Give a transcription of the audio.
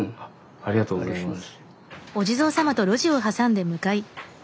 ありがとうございます。